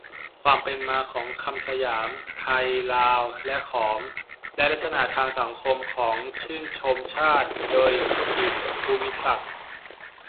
ความเป็นมาของคำสยาม ไทย ลาว และขอม และลักษณะทางสังคมของชื่อชนชาติ. โดย จิตร ภูมิศักดิ์.